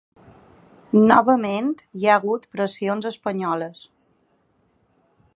Novament, hi ha hagut pressions espanyoles.